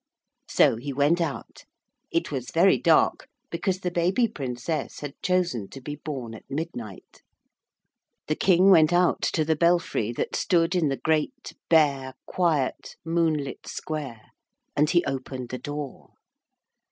So he went out. It was very dark, because the baby princess had chosen to be born at midnight. The King went out to the belfry, that stood in the great, bare, quiet, moonlit square, and he opened the door.